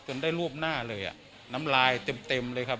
ได้รวบหน้าเลยอ่ะน้ำลายเต็มเลยครับ